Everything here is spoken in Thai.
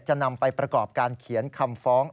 นำไปประกอบการเขียนคำฟ้อง